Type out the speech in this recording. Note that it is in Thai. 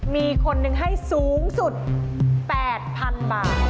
มีคนหนึ่งให้สูงสุด๘๐๐๐บาท